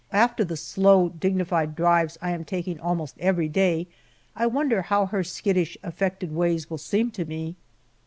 After the slow dignified drives I am taking almost every day, I wonder how her skittish, affected ways will seem to me!